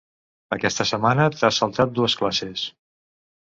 Aquesta setmana t'has saltat dues classes.